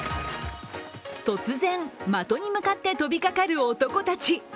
突然、的に向かって飛びかかる男たち。